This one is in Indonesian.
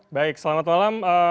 baik selamat malam